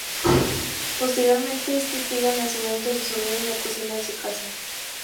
Posteriormente es testigo del nacimiento de su sobrino en la cocina de su casa.